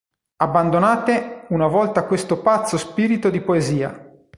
Abbandonate una volta questo pazzo spirito di poesia!".